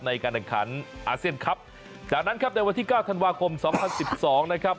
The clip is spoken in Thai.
ในการดังขันอาเซียนคลับจากนั้นครับในวันที่๙ธันวาคม๒๐๑๒นะครับ